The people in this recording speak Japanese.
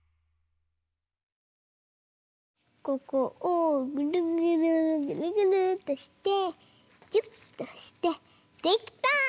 ここをぐるぐるぐるぐるっとしてぎゅっとしてできた！